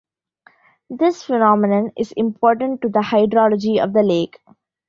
This phenomenon is important to the hydrology of the lake.